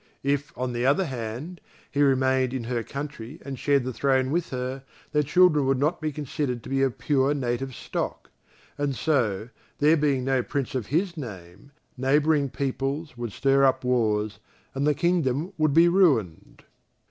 If, on the other hand, he remained in her country and shared the throne with her, their children would not be considered to be of pure native stock, and so, there being no Prince of his name, neighbouring peoples would stir up wars, and the kingdom would be ruined.